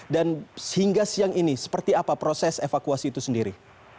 dan sehingga siang ini seperti apa proses evakuasi itu sendiri